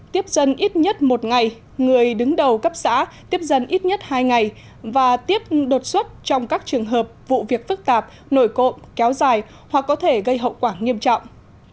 tiếp dân ít nhất một ngày người đứng đầu cấp xã tiếp dân ít nhất hai ngày và tiếp đột xuất trong các trường hợp vụ việc phức tạp nổi cộng kéo dài hoặc có thể gây hậu quả nghiêm trọng